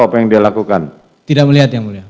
apa yang dia lakukan tidak melihat ya